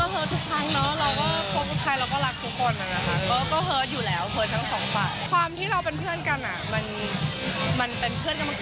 แล้วเรารู้สึกว่าเราพบกันเป็นเพื่อนอะ